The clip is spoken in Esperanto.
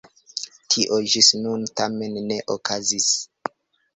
Tio ĝis nun tamen ne okazis.